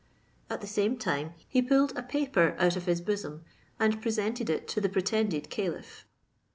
At the same time he pulled a paper out of his bosom, and presented it to the pretended caliph.